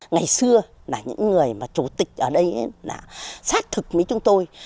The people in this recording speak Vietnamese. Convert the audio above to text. ngày xưa là những người mà chủ tịch ở đây đã xác thực với chúng tôi